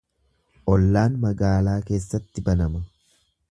Ollaan magaalaa keessatti banama.